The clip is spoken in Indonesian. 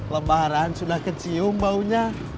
lebaharan sudah kecium baunya